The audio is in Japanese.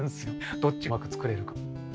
どっちがうまく作れるか。